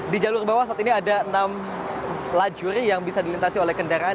di jalur bawah saat ini ada enam lajur yang bisa dilintasi oleh kendaraan